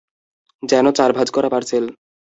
যেন চার ভাঁজ করা পার্সেল।